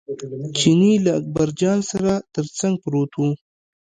چیني له اکبرجان سره تر څنګ پروت و.